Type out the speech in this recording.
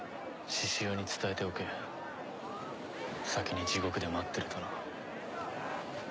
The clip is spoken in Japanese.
志々雄に伝えておけ先に地獄で待ってるとな。